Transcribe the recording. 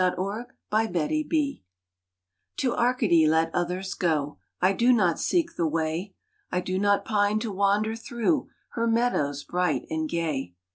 [ 33 1 RELINQUISHMENT TO Arcady let others go, I do not seek the way. I do not pine to wander through Her meadows bright and gay.